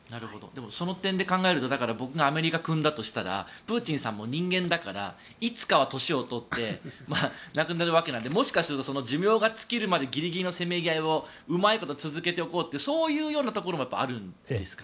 その点で考えると僕がアメリカ君だとしたらプーチンさんも人間だからいつかは年を取って亡くなるわけなのでもしかすると寿命が尽きるまでギリギリのせめぎ合いをうまいこと続けていこうというそういうようなところもあるんですか？